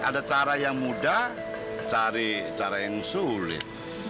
ada cara yang mudah cari cara yang sulit